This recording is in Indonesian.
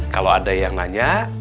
kalau ada yang nanya